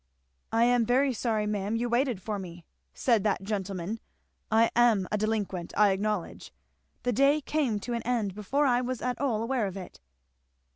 "I am very sorry, ma'am, you waited for me," said that gentleman. "I am a delinquent I acknowledge. The day came to an end before I was at all aware of it."